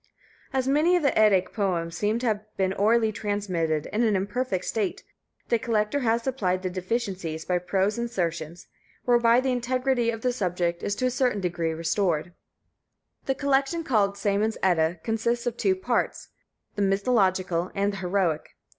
As many of the Eddaic poems appear to have been orally transmitted in an imperfect state, the collector has supplied the deficiencies by prose insertions, whereby the integrity of the subject is to a certain degree restored. The collection called Sæmund's Edda consists of two parts, viz., the Mythological and the Heroic.